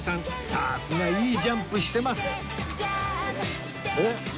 さすがいいジャンプしてます